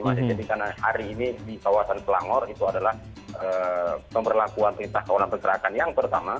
jadi karena hari ini di kawasan selangor itu adalah pemberlakuan perintah kawalan pencerahan yang pertama